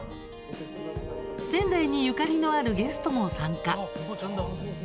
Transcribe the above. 仙台にゆかりのあるゲストも参加。